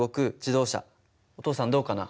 お父さんどうかな？